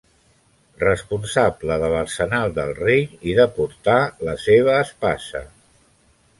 Responsable de l'arsenal del rei i de portar la seva espasa.